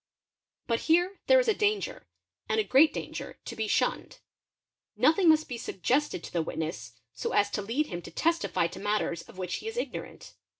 But here there is a danger, and a reat danger, to be shunned; nothing must be suggested to the witness ) as to lead hin to testify to matters of which he is ignorant.